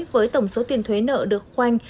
với tổng số tiền thuế nợ được khoanh